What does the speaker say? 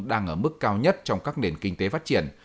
đang ở mức cao nhất trong các nền kinh tế phát triển